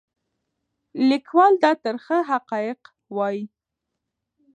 لیکوال دا ترخه حقایق وایي.